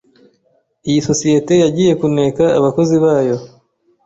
Iyi sosiyete yagiye kuneka abakozi bayo.